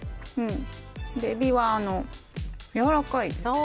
エビはやわらかい。